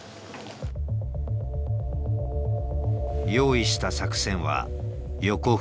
用意した作戦は横歩取り。